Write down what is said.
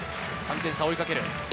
３点差を追いかける。